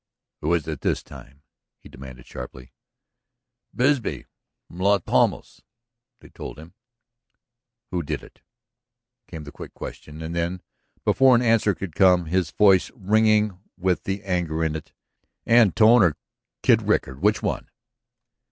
"Who is it this time?" he demanded sharply. "Bisbee, from Las Palmas," they told him. "Who did it?" came the quick question. And then, before an answer could come, his voice ringing with the anger in it: "Antone or Kid Rickard? Which one?"